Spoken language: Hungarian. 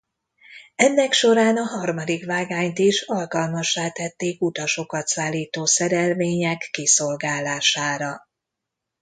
Ennek során a harmadik vágányt is alkalmassá tették utasokat szállító szerelvények kiszolgálására.